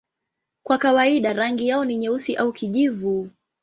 Kwa kawaida rangi yao ni nyeusi au kijivu.